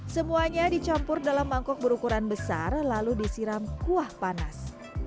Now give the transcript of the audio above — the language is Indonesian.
semuanya dicampur dalam mangkok berukuran besar lalu disiram kuah panas